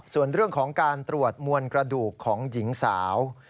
ส่วนเรื่องของการตรวจมวลกระดูกของหญิงสาว